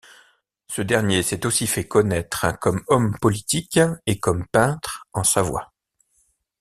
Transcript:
Ce dernier s'est aussi fait connaître comme homme politique et comme peintre en Savoie.